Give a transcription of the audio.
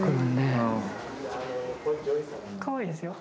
かわいいですよ。